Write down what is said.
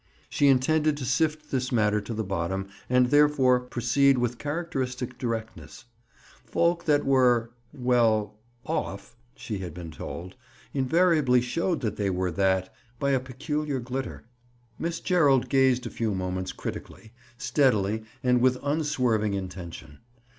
She intended to sift this matter to the bottom and therefore proceeded with characteristic directness. Folk that were—well, "off," she had been told, invariably showed that they were that, by a peculiar glitter. Miss Gerald gazed a few moments critically, steadily and with unswerving intention.